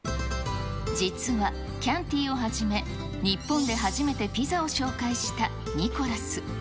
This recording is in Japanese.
実は、キャンティをはじめ、日本で初めてピザを紹介したニコラス。